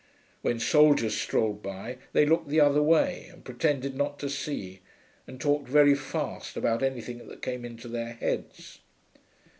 When soldiers strolled by they looked the other way and pretended not to see, and talked very fast about anything that came into their heads.